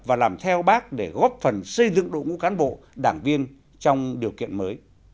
và làm theo bác để góp phần xây dựng đội ngũ cán bộ đảng viên trong điều kiện mới